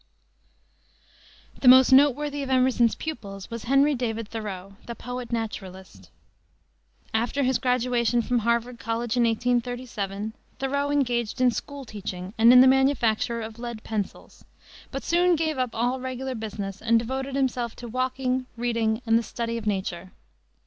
The most noteworthy of Emerson's pupils was Henry David Thoreau, "the poet naturalist." After his graduation from Harvard College, in 1837, Thoreau engaged in school teaching and in the manufacture of lead pencils, but soon gave up all regular business and devoted himself to walking, reading, and the study of nature.